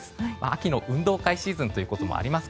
秋の運動会シーズンということもあります